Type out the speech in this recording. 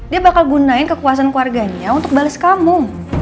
dia bakal gunain kekuasaan keluarganya untuk bales kamu